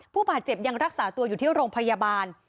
ผู้บาดเจ็บยังรักษาตัวอยู่ที่โรงพยาบาล